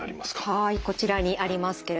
はいこちらにありますけれども。